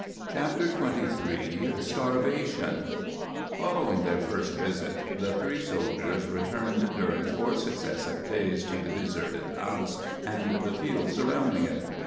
CHAPTER XXIII STARVATION Following their first visit, the three soldiers returned during four successive days to the deserted house and the field surrounding it.